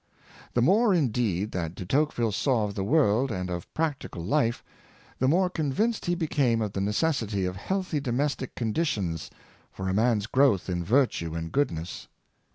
The more, indeed, that De Tocqueville saw of the world and of practical life, the more convinced he became of the necessity of healthy domestic conditions for a man's growth in virtue and goodness.